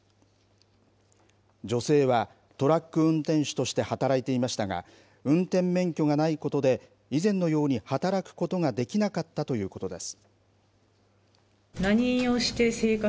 女性はトラック運転手として働いていましたが、運転免許がないことで以前のように働くことができなかったということです。